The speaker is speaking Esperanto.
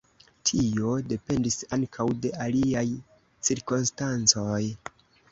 Tio dependis ankaŭ de aliaj cirkonstancoj.